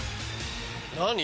何？